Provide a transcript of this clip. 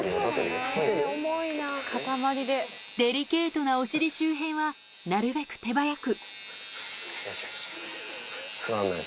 デリケートなお尻周辺はなるべく手早く。